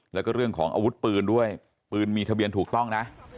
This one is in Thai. แล้วก็เรื่องของอาวุธปืนด้วยปืนมีทะเบียนถูกต้องนะ